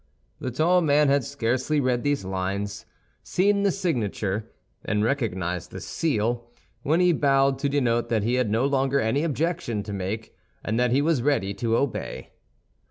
The tall man had scarcely read these lines, seen the signature, and recognized the seal, when he bowed to denote that he had no longer any objection to make, and that he was ready to obey.